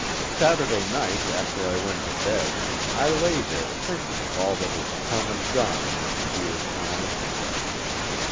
Saturday night, after I went to bed, I lay there thinking of all that has come and gone in this dear time.